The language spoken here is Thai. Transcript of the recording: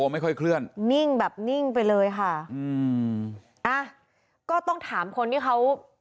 ไม่ค่อยเคลื่อนนิ่งแบบนิ่งไปเลยค่ะอืมอ่ะก็ต้องถามคนที่เขา